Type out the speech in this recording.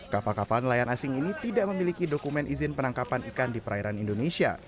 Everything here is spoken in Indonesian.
kapal kapal nelayan asing ini tidak memiliki dokumen izin penangkapan ikan di perairan indonesia